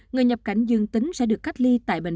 người nhập cảnh dương tính sẽ được cách ly tại bệnh viện